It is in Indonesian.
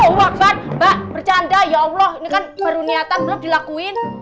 allah mbak bercanda ya allah ini kan baru niatan belum dilakuin